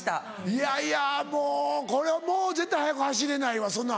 いやいやもうこれはもう絶対速く走れないわそんな。